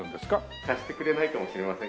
貸してくれないかもしれません。